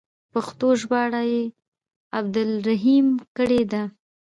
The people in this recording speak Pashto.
پښتو ژباړه یې عبدالرحیم کړې ده.